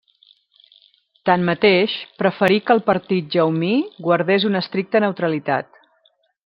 Tanmateix, preferí que el partit jaumí guardés una estricta neutralitat.